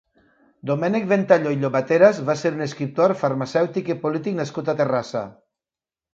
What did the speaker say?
Domènec Ventalló i Llobateras va ser un escriptor, farmacèutic i polític nascut a Terrassa.